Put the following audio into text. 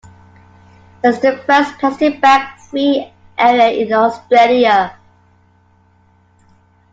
It was the first plastic bag free area in Australia.